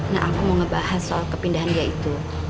nah aku mau ngebahas soal kepindahan dia itu